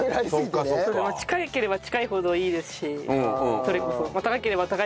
高ければ高いほどいいですし。